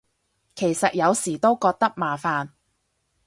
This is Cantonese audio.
其實有時都覺得麻煩